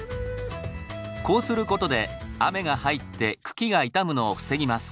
こうする事で雨が入って茎が傷むのを防ぎます。